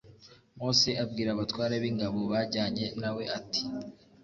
mose abwira abatware b' ingabo bajyanye na we ati